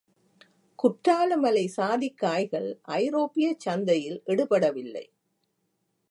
குற்றாலமலைச் சாதிக் காய்கள் ஐரோப்பியச் சந்தையில் எடுபடவில்லை.